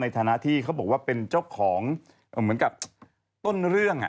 แล้วก็โอนเงิน๔๐๐๐๐๐กว่าบาทเข้าบัญชีของตัวเอง